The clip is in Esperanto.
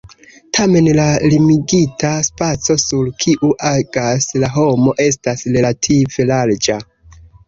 Tamen la limigita spaco, sur kiu agas la homo, estas relative larĝa.